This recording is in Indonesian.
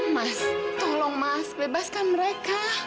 mas tolong mas bebaskan mereka